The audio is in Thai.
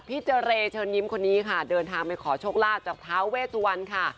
เจรเชิญยิ้มคนนี้ค่ะเดินทางไปขอโชคลาภจากท้าเวสวันค่ะ